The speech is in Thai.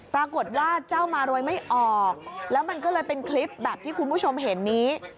ปรากฏว่าเจ้ามารวยไม่ออกแล้วมันก็เลยเป็นคลิปแบบที่คุณผู้ชมเห็นนี้